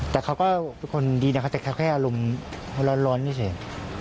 แต่เค้าก็คนดีนะเค้าก็แค่อารมณ์ร้อนนี่เฉย